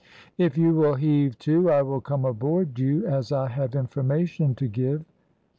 "If you will heave to I will come aboard you, as I have information to give."